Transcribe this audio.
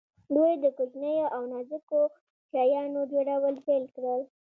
دوی د کوچنیو او نازکو شیانو جوړول پیل کړل.